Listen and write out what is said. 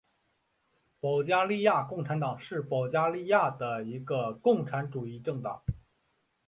保加利亚共产党是保加利亚的一个共产主义政党。